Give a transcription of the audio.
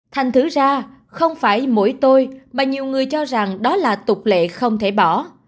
thành thử ra không phải mỗi tôi mà nhiều người cho rằng đó là tục lệ không thể bỏ